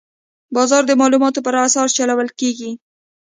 بازار د معلوماتو پر اساس چلول کېږي.